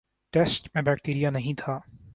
test میں bacteria نہیں تھا